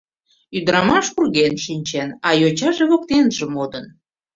Ӱдырамаш урген шинчен, а йочаже воктенже модын.